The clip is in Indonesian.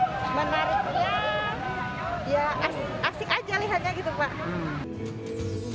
menariknya asik aja lihatnya gitu pak